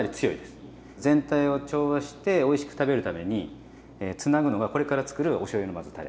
全体を調和しておいしく食べるためにつなぐのがこれからつくるおしょうゆのまずたれ。